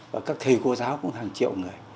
và các thầy cô giáo cũng hàng triệu người